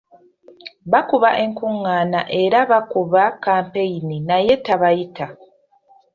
Bakuba enkungaana era bakuba kkampeyini naye tabayita.